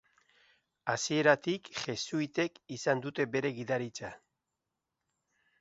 Hasieratik jesuitek izan dute bere gidaritza.